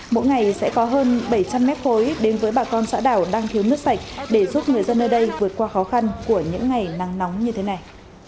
mỗi ngày sẽ có hơn bảy trăm linh mét khối đến với bà con xã đảo đang thiếu nước sạch để giúp người dân nơi đây vượt qua khó khăn của những ngày nắng nóng như thế này